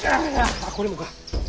あっこれもか。